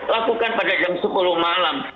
lakukan pada jam sepuluh malam